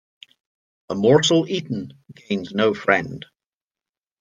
A morsel eaten gains no friend.